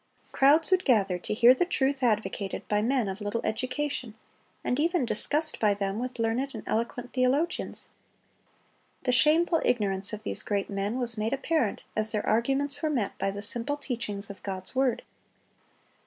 (280) Crowds would gather to hear the truth advocated by men of little education, and even discussed by them with learned and eloquent theologians. The shameful ignorance of these great men was made apparent as their arguments were met by the simple teachings of God's word.